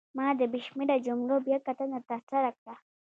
ما د بې شمېره جملو بیاکتنه ترسره کړه.